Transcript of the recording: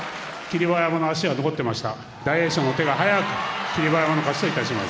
霧馬山の足が残っていました。